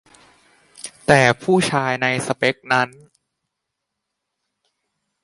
แต่ผู้ชายในสเปกนั้น